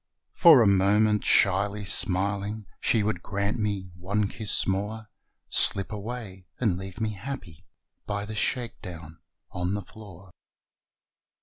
For a moment shyly smiling, She would grant me one kiss more Slip away and leave me happy By the shakedown on the floor.